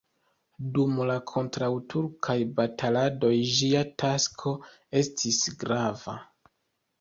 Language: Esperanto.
Dum la kontraŭturkaj bataladoj ĝia tasko estis grava.